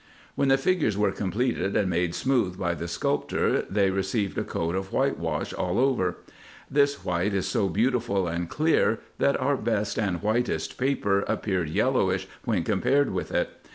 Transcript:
239 When the figures were completed and made smooth by the sculptor, they received a coat of whitewash all over. This white is so beautiful and clear, that our best and whitest paper appeared yellowish when compared with it.